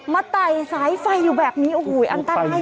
ไต่สายไฟอยู่แบบนี้โอ้โหอันตราย